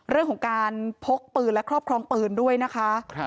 เรื่องของการพกปืนและครอบครองปืนด้วยนะคะ